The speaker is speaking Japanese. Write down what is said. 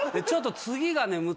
ちょっと次がね